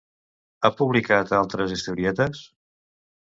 Ha publicat altres historietes?